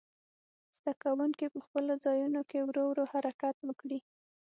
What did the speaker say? زده کوونکي په خپلو ځایونو کې ورو ورو حرکت وکړي.